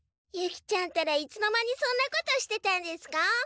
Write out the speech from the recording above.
ユキちゃんったらいつの間にそんなことしてたんですか？